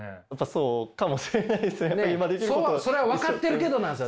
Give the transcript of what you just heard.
そうかもしれないです。